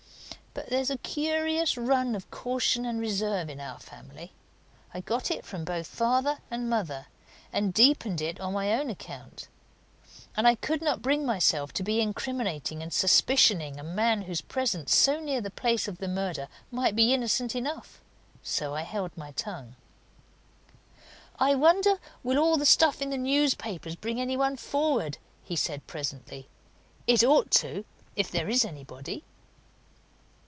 But there's a curious run of caution and reserve in our family. I got it from both father and mother, and deepened it on my own account, and I could not bring myself to be incriminating and suspicioning a man whose presence so near the place of the murder might be innocent enough. So I held my tongue. "I wonder will all the stuff in the newspapers bring any one forward?" he said, presently. "It ought to! if there is anybody."